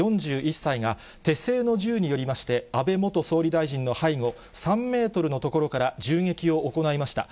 ４１歳が、手製の銃によりまして、安倍元総理大臣の背後３メートルの所から銃撃を行いました。